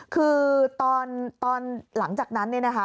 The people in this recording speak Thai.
คือตอนหลังจากนั้น